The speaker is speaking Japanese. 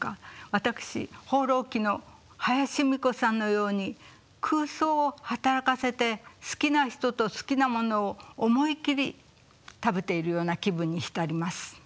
私「放浪記」の林芙美子さんのように空想を働かせて好きな人と好きなものを思いっきり食べているような気分に浸ります。